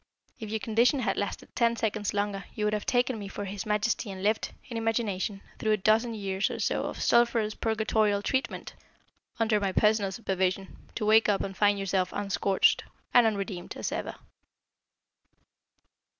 If your condition had lasted ten seconds longer you would have taken me for his majesty and lived, in imagination, through a dozen years or so of sulphurous purgatorial treatment under my personal supervision, to wake up and find yourself unscorched and unredeemed, as ever."